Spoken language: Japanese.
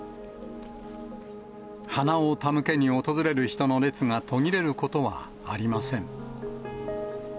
花を手向けに訪れる人の列が途切れることはありません。